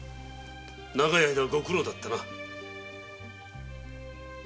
長い間ご苦労だったな。